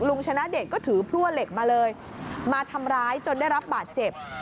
ชนะเดชก็ถือพลั่วเหล็กมาเลยมาทำร้ายจนได้รับบาดเจ็บ